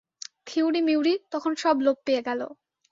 থিওরী-মিওরী তখন সব লোপ পেয়ে গেল।